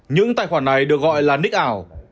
những tài khoản này được gọi là ních ảo